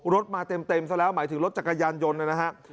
รถมาเต็มซะแล้วหมายถึงรถจักรยานยนต์นะครับ